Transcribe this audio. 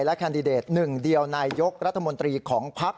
และแคนดิเดตหนึ่งเดียวนายยกรัฐมนตรีของพัก